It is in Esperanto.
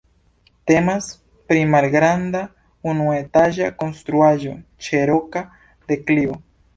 Temas pri malgranda, unuetaĝa konstruaĵo ĉe roka deklivo.